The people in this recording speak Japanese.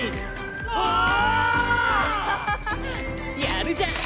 やるじゃん！